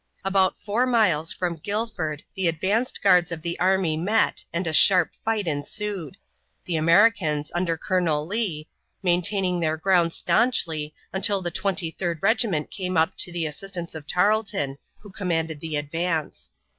About four miles from Guilford the advanced guards of the army met and a sharp fight ensued the Americans, under Colonel Lee, maintaining their ground stanchly until the Twenty third Regiment came up to the assistance of Tarleton, who commanded the advance.